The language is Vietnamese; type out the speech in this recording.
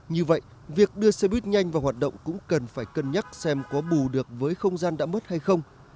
như vậy việc đưa xe buýt nhanh vào hoạt động cũng cần phải cân nhắc xem có bù được với không gian đã mất hay không